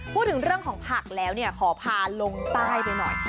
พูดถึงเรื่องของผักแล้วเนี่ยขอพาลงใต้ไปหน่อย